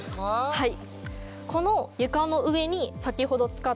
はい。